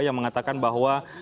yang mengatakan bahwa